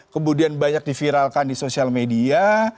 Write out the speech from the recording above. kemudian banyak diviralkan di sosial media